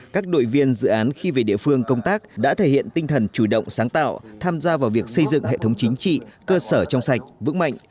các đội viên dự án khi về địa phương công tác đã thể hiện tinh thần chủ động sáng tạo tham gia vào việc xây dựng hệ thống chính trị cơ sở trong sạch vững mạnh